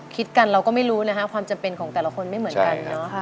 คิดกันเราก็ไม่รู้นะคะความจำเป็นของแต่ละคนไม่เหมือนกันเนาะ